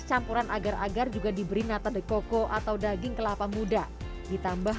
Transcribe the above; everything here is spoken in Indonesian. campuran agar agar juga diberi nata deko atau daging kelapa muda ditambah